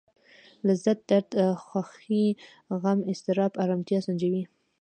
لذت درد خوښي غم اضطراب ارامتيا سنجوو.